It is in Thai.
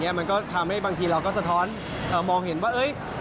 โหยหมอก็หมออ่ะนี่เราต้องคิดเองก่อนแล้วอย่างเงี้ย